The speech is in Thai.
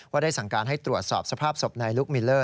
ได้สั่งการให้ตรวจสอบสภาพศพนายลุกมิลเลอร์